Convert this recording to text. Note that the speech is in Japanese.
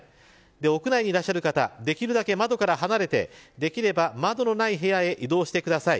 屋内にいらっしゃる方できるだけ窓から離れてできれば窓のない部屋へ移動してください。